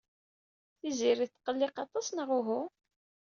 Tiziri tetqelliq aṭas neɣ uhu?